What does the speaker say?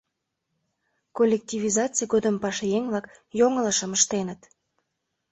Коллективизаций годым пашаеҥ-влак йоҥылышым ыштеныт.